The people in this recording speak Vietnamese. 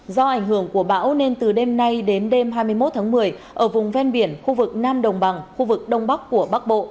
do ảnh hưởng của bão nên từ đêm nay đến đêm hai mươi một tháng một mươi ở vùng ven biển khu vực nam đồng bằng khu vực đông bắc của bắc bộ